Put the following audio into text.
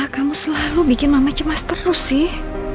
kamu selalu bikin mama cemas terus sih